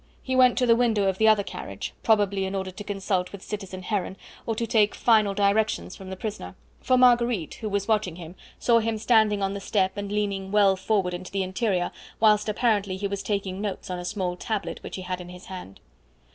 He went to the window of the other carriage, probably in order to consult with citizen Heron, or to take final directions from the prisoner, for Marguerite, who was watching him, saw him standing on the step and leaning well forward into the interior, whilst apparently he was taking notes on a small tablet which he had in his hand.